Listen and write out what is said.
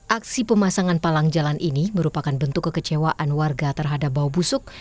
aksi pemasangan palang jalan ini merupakan bentuk kekecewaan warga terhadap bau busuk